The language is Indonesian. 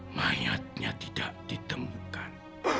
mayatnya tidak ditemukan